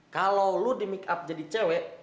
kalau lo di make up jadi cewek